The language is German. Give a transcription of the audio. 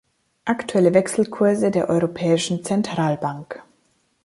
Aktuelle Wechselkurse der Europäischen Zentralbank